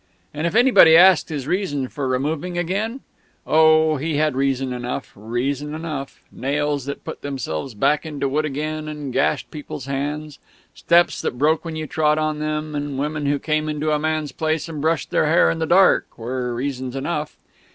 And if anybody asked his reason for removing again? Oh, he had reason enough reason enough! Nails that put themselves back into wood again and gashed people's hands, steps that broke when you trod on them, and women who came into a man's place and brushed their hair in the dark, were reasons enough!